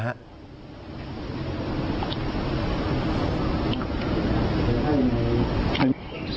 ถ่ายไปสิ